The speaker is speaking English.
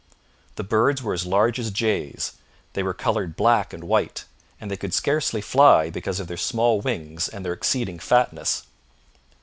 The birds were as large as jays, they were coloured black and white, and they could scarcely fly because of their small wings and their exceeding fatness.